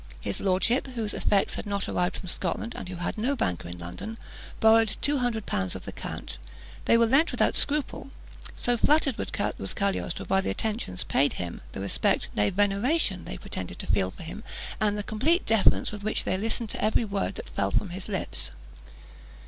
"His lordship," whose effects had not arrived from Scotland, and who had no banker in London, borrowed two hundred pounds of the count. They were lent without scruple, so flattered was Cagliostro by the attentions they paid him, the respect, nay veneration they pretended to feel for him, and the complete deference with which they listened to every word that fell from his lips.